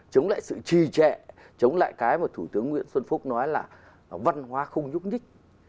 chống lại sự trì trệ chống lại cái mà thủ tướng nguyễn xuân phúc nói là văn hóa không nhúc nhích